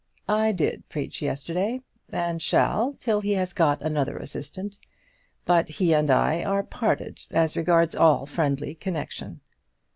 "I did preach yesterday, and shall till he has got another assistant. But he and I are parted as regards all friendly connection."